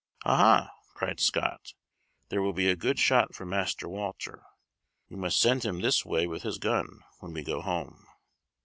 "Aha!" cried Scott, "there will be a good shot for Master Walter; we must send him this way with his gun, when we go home.